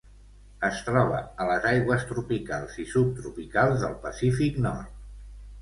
Es troba a les aigües tropicals i subtropicals del Pacífic nord.